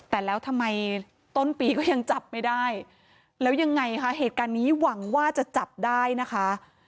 แต่แล้วทำไมต้นปีก็ยังจับไม่ได้แล้วยังไงคะเหตุการณ์นี้หวังว่าจะจับได้นะคะ